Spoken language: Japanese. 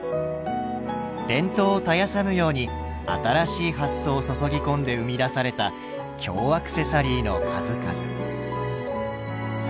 伝統を絶やさぬように新しい発想を注ぎ込んで生み出された京アクセサリーの数々。